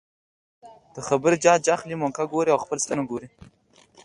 د خبرې جاج اخلي ،موقع ګوري او خپل صلاحيتونه ګوري